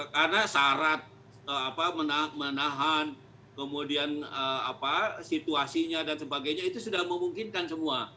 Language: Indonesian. karena syarat menahan kemudian situasinya dan sebagainya itu sudah memungkinkan semua